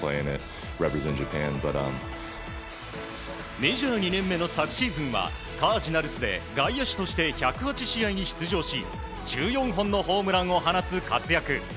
メジャー２年目の昨シーズンはカージナルスで外野手として１０８試合に出場し１４本のホームランを放つ活躍。